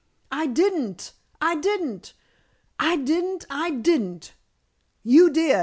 "I didn't! I didn't! I didn't! I didn't!" "You did.